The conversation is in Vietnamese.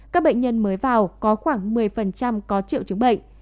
các bệnh nhân mới vào có khoảng một mươi có triệu chứng bệnh